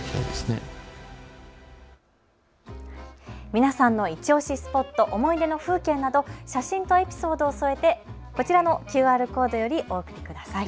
皆さんのいちオシスポット、思い出の風景など、写真とエピソードを添えてこちらのＱＲコードよりお送りください。